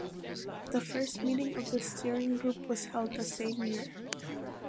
The first meeting of the steering group was held the same year.